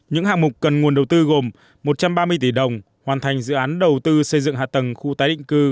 những hạng mục cần nguồn đầu tư gồm một trăm ba mươi tỷ đồng hoàn thành dự án đầu tư xây dựng hạ tầng khu tái định cư